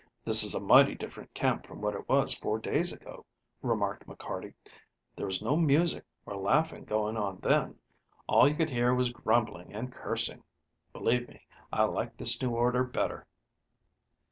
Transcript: "This is a mighty different camp from what it was four days ago," remarked McCarty. "There was no music or laughing going on then. All you could hear was grumbling and cursing. Believe me, I like this new order better."